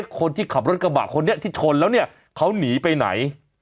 คนที่ขับรถกระบะคนที่ชนแล้วเขาหนีไปไหน